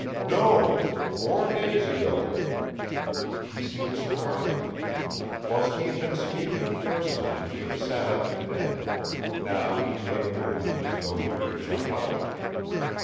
"No! four days ago." He seemed surprised. Whilst he had been speaking the first time he had sat up in bed; now he made a movement as though he would jump out.